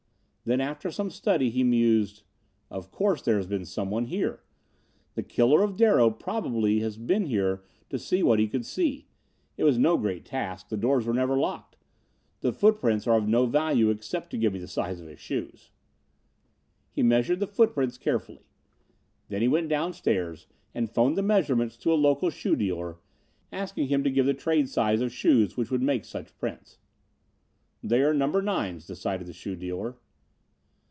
Then, after some study, he mused: "Of course there has been someone here. The killer of Darrow probably has been here to see what he could see. It was no great task. The doors were never locked. The footprints are of no value except to give me the size of his shoes." He measured the footprints carefully. Then he went downstairs and phoned the measurements to a local shoe dealer, asking him to give him the trade size of shoes which would make such prints. "They are number nines," decided the shoe dealer.